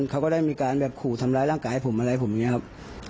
เขาก็ได้มีการแบบขู่ทำร้ายร่างกายผมอะไรผมอย่างนี้ครับ